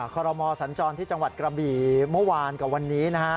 คอรมอสัญจรที่จังหวัดกระบี่เมื่อวานกับวันนี้นะฮะ